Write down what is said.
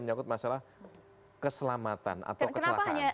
menyangkut masalah keselamatan atau kecelakaan